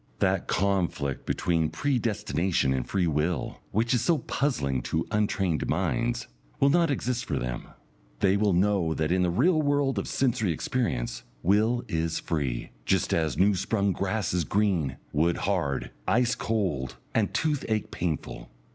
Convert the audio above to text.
That conflict between Predestination and Free Will, which is so puzzling to untrained minds, will not exist for them. They will know that in the real world of sensory experience, will is free, just as new sprung grass is green, wood hard, ice cold, and toothache painful.